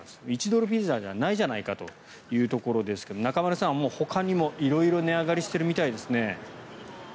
１ドルピザじゃないじゃないかというところですが中丸さん、ほかにも色々値上がりしているみたいですね。